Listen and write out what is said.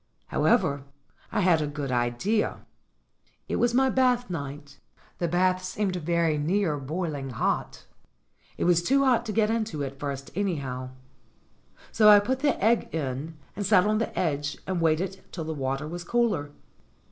How ever, I had a good idea. It was my bath night. The bath seemed very near boiling hot; it was too hot to get into at first, anyhow. So I put the egg in, and sat on the edge and waited till the water was cooler.